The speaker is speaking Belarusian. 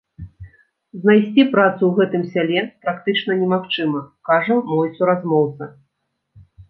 Знайсці працу ў гэтым сяле практычна немагчыма, кажа мой суразмоўца.